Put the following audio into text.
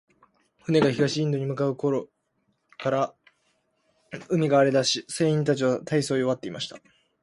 船が東インドに向う頃から、海が荒れだし、船員たちは大そう弱っていました。